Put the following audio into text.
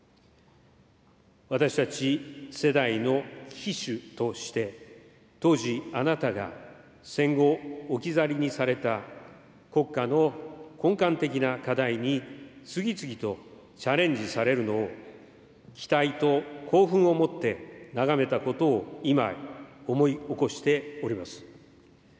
私たち世代の旗手として、当時あなたが戦後置き去りにされた国家の根幹的な課題に次々とチャレンジされるのを、期待と興奮をもって眺めたことを今、思い起こしております。